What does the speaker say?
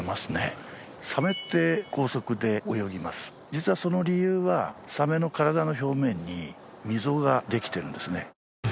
実はその理由は、サメの体の表面に溝ができているんですね。